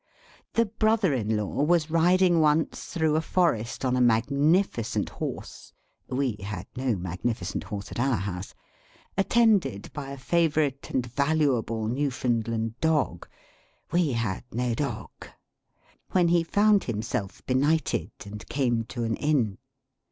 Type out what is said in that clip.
The brother in law was riding once through a forest on a magnificent horse (we had no magnificent horse at our house), attended by a favourite and valuable Newfoundland dog (we had no dog), when he found himself benighted, and came to an Inn.